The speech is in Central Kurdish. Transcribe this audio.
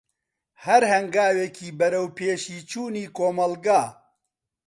هەر هەنگاوێکی بەروەپێشی چوونی کۆمەلگا.